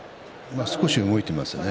少し動いてますね。